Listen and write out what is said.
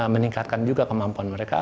meningkatkan juga kemampuan mereka